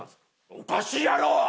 おかしいやろ！